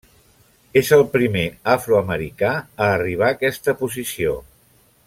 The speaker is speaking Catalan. És el primer afroamericà a arribar a aquesta posició.